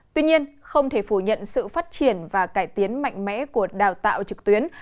tuy nhiên không thể phủ nhận sự phát triển và cải tiến mạnh mẽ của đào tạo trực tuyến